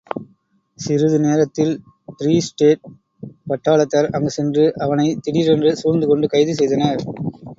சிறிது நேரத்தில் பிரீஸ்டேட் பட்டாளத்தார் அங்கு சென்று, அவனைத் திடீரென்று சூழ்ந்து கொண்டு கைது செய்தனர்.